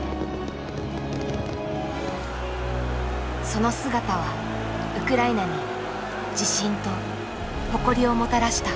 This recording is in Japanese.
その姿はウクライナに「自信」と「誇り」をもたらした。